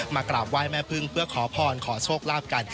กราบไหว้แม่พึ่งเพื่อขอพรขอโชคลาภกัน